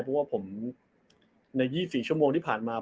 เพราะว่าผมใน๒๔ชั่วโมงที่ผ่านมา